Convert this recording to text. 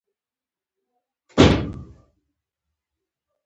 مچمچۍ شات ذخیره کوي